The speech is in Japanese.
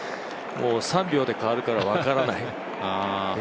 もう３秒で変わるから分からない。